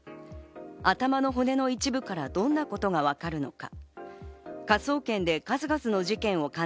頭の骨の一部からどんなことがわかるのか。